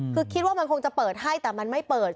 คือคิดว่ามันคงจะเปิดให้แต่มันไม่เปิด